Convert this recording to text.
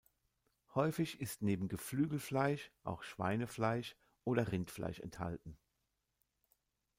Häufig ist neben Geflügelfleisch auch Schweinefleisch oder Rindfleisch enthalten.